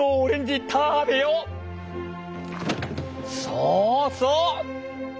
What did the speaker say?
そうそう。